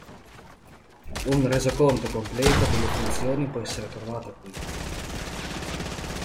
Un resoconto completo delle funzioni può essere trovato qui.